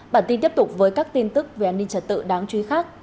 bản tin tiếp tục với các tin tức về an ninh trật tự đáng chú ý khác